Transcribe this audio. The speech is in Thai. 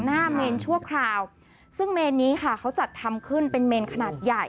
เมนชั่วคราวซึ่งเมนนี้ค่ะเขาจัดทำขึ้นเป็นเมนขนาดใหญ่